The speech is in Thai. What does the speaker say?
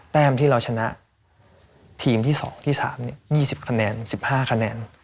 แต้มที่เราชนะทีมที่๒ที่๓๒๐คะแนน๑๕คะแนน